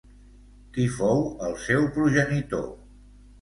Qui fou el seu progenitor?